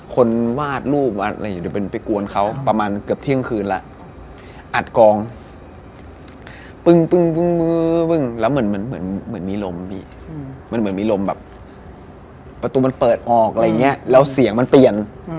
กลิ่นได้กลิ่นเรื่อย